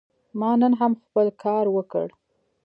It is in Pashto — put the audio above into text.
ما نن هم خپل کار وکړ.